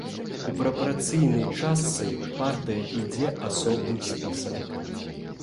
У прапарцыйнай частцы партыя ідзе асобным спісам.